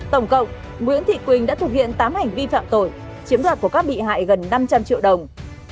tổng cộng nguyễn thị quỳnh đã thực hiện tám hành vi phạm tội chiếm đoạt của các bị hại gần năm trăm linh triệu đồng